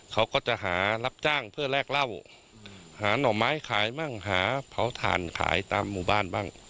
เขาก็จะหารับจ้างเพื่อแลกเหล้าหาหน่อไม้ขายบ้างหาเผาถ่านขายตามหมู่บ้านบ้าง